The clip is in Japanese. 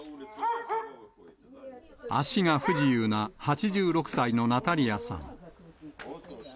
足が不自由な８６歳のナタリアさん。